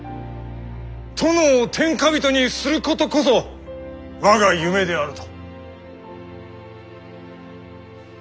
殿を天下人にすることこそ我が夢であると。